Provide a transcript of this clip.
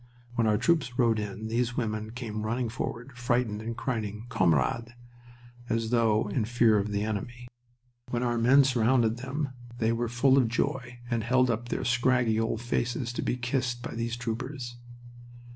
When our troops rode in these women came running forward, frightened and crying "Camarades!" as though in fear of the enemy. When our men surrounded them they were full of joy and held up their scraggy old faces to be kissed by these troopers.